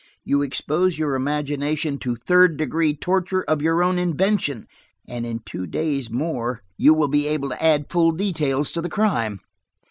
You expose your imagination to 'third degree' torture of your own invention, and in two days more you will be able to add full details of the crime."